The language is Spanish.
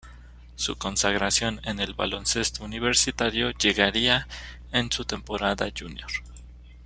Su consagración en el baloncesto universitario llegaría en su temporada junior.